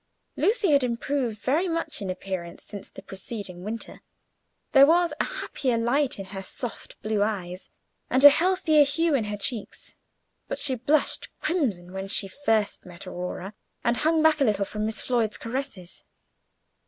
Lucy had improved very much in appearance since the preceding winter; there was a happier light in her soft blue eyes, and a healthier hue in her cheeks; but she blushed crimson when she first met Aurora, and hung back a little from Miss Floyd's caresses.